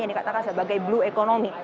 yang dikatakan sebagai blue economy